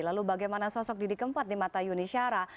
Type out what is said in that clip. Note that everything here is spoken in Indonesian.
lalu bagaimana sosok didi kempot di mata yuni syara